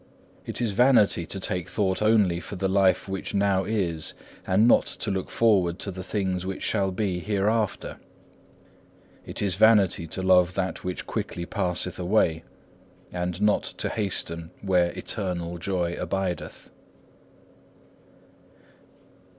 It is vanity to take thought only for the life which now is, and not to look forward to the things which shall be hereafter. It is vanity to love that which quickly passeth away, and not to hasten where eternal joy abideth.